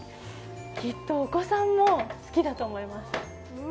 きっとお子さんも好きだと思います。